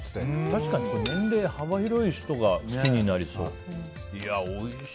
確かに年齢、幅広い人が好きになりそう。